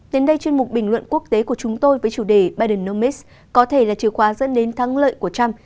đến đây chuyên mục bình luận quốc tế của chúng tôi với chủ đề biden có thể là chìa khóa dẫn đến thắng lợi của trump